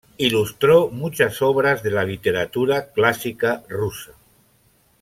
Ilustró muchas obras de la literatura clásica rusa.